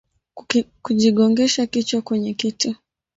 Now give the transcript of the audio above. kujigongesha kichwa kwenye kitu